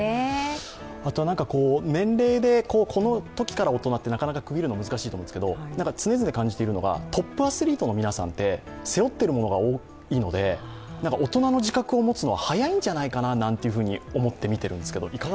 あとは年齢で、このときから大人って区切るのはなかなか難しいと思うんですけど、常々感じているのはトップアスリートの皆さんって背負っているものが多いので大人の自覚を持つのは早いんじゃないかななんて思っているんですけど。